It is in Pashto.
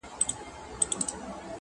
صبر کوه خدای به درکړي!